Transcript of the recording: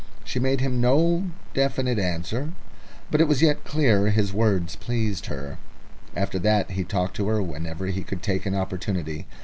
She made him no definite answer, but it was clear his words pleased her. After that he talked to her whenever he could take an opportunity.